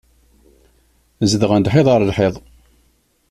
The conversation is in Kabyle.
Zedɣen lhiḍ ɣer lhiḍ.